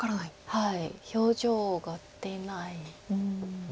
はい。